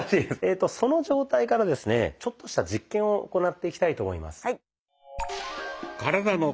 その状態からですねちょっとした実験を行っていきたいと思います。